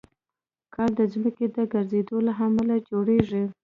کال د ځمکې د ګرځېدو له امله جوړېږي.